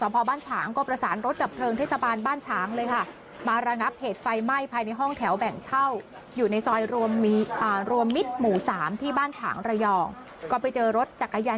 ไปเจอรถจักรยานยนต์ทะเบียนบ้านช้างเลยค่ะ